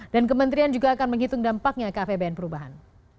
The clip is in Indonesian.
dan kementerian juga akan menghitung dampaknya ke apbn perubahan